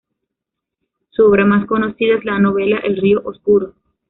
Su obra más conocida es la novela El río oscuro.